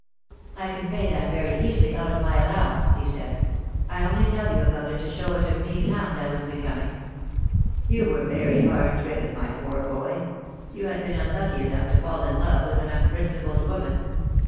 "I can pay that very easily out of my allowance," he 2,2 THE DAY WILL COME. said, "I only tell you about it to show what a mean hound I was becoming." "You were very hard driven, my poor boy. You had been unlucky enough to fall in love with an unprincipled woman.